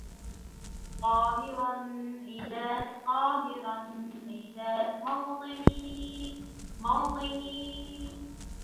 قاهِراً عِـــداكْ قاهِـراً عِــداكْ مَــوطِــنِــي مَــوطِــنِــي